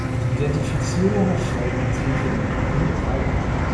Die Identifizierung erfolgt mit Hilfe der ‚Bunten Reihe‘.